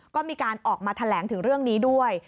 ก็มีการออกมาแถลงถึงเรื่องนี้ด้วย